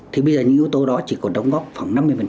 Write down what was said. thì bây giờ những yếu tố đó chỉ còn đóng góp khoảng năm mươi